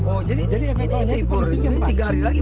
oh jadi ini tiga hari lagi baru di giling